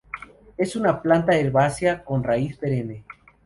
Es una planta herbácea con raíz perenne.